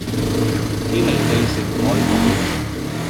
堅彌地城海旁